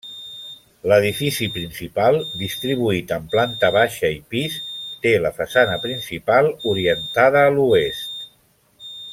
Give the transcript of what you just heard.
L'edifici principal, distribuït en planta baixa i pis, té la façana principal orientada a l'oest.